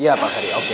ya pak kadi oke